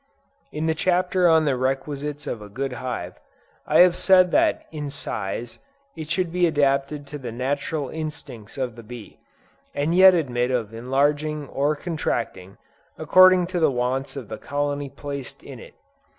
In the Chapter on the Requisites of a good hive, I have said that in size it should be adapted to the natural instincts of the bee, and yet admit of enlarging or contracting, according to the wants of the colony placed in it.